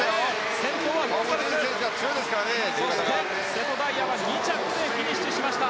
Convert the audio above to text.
瀬戸大也は２着でフィニッシュしました。